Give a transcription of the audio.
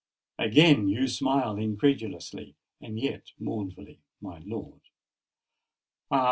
Again you smile incredulously—and yet mournfully, my lord! Ah!